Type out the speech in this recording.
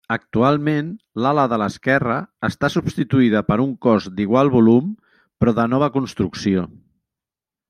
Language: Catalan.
Actualment l'ala de l'esquerra està substituïda per un cos d'igual volum però de nova construcció.